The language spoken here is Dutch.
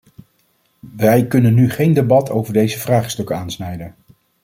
Wij kunnen nu geen debat over deze vraagstukken aansnijden.